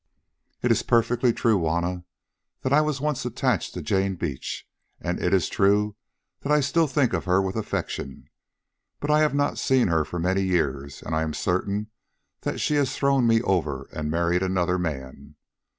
"It is perfectly true, Juanna, that I was once attached to Jane Beach, and it is true that I still think of her with affection, but I have not seen her for many years, and I am certain that she has thrown me over and married another man.